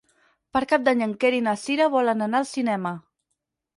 Per Cap d'Any en Quer i na Cira volen anar al cinema.